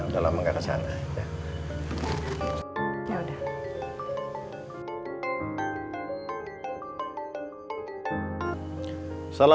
udah lama gak kesana ya